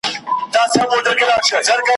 بس په خیالونو کي مي اوسه پر ما ښه لګېږې ,